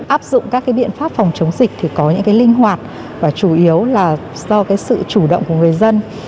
áp dụng các cái biện pháp phòng chống dịch thì có những cái linh hoạt và chủ yếu là do cái sự chủ động của người dân